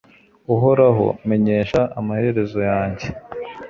Uhoraho menyesha amaherezo yanjye